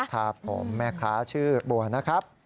ครับผมแม่ค้าชื่อบัวนะครับ